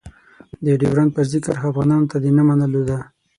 د ډېورنډ فرضي کرښه افغانانو ته د نه منلو ده.